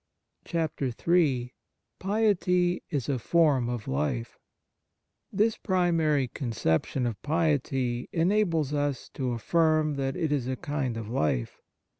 25 On Piety III PIETY IS A FORM OF LIFE THIS primary conception of piety enables us to affirm that it is a kind of life.